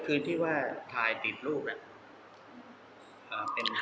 คือที่ว่าถ่ายติดรูป